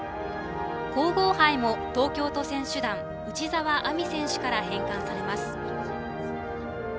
皇后杯も東京都選手団うちざわあみ選手から返還されます。